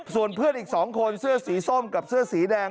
ส่วนเพื่อนอีก๒คนเสื้อสีส้มกับเสื้อสีแดง